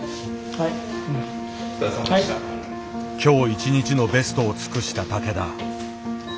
はい。今日一日のベストを尽くした竹田。